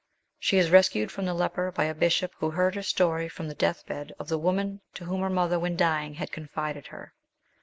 She is rescued from the Leper by a bishop who heard her story from the death bed of the woman to whom her mother when dying had confided her.